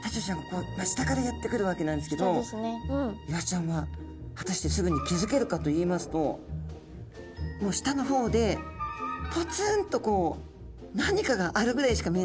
ここ下からやって来るわけなんですけどイワシちゃんは果たしてすぐに気付けるかといいますともう下の方でぽつんとこう何かがあるぐらいしか見えないと思うんですね。